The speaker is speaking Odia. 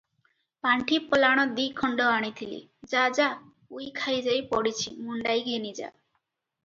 ପାଣ୍ଠି ପଲାଣ ଦିଖଣ୍ଡ ଆଣିଥିଲେ; ଯା, ଯା, ଉଇ ଖାଇଯାଇ ପଡ଼ିଛି ମୁଣ୍ଡାଇ ଘେନି ଯା ।